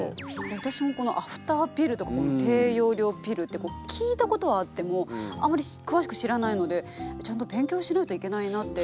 私もこのアフターピルとかこの低用量ピルって聞いたことはあってもあまり詳しく知らないのでちゃんと勉強しないといけないなって。